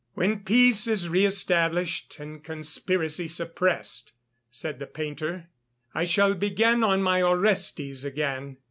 "When peace is re established and conspiracy suppressed," said the painter, "I shall begin on my Orestes again.